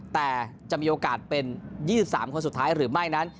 แต่จะมีโอกาสเป็น๒๓คนสุดท้ายหรือไม่นั้น